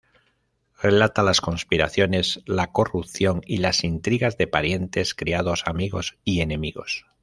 Relata las conspiraciones, la corrupción y las intrigas de parientes, criados, amigos y enemigos.